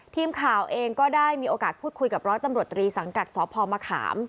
ทีมข่าวเองก็ได้มีโอกาสพูดคุยกับร้อยตำรวจตรีสังกัดสพมะขาม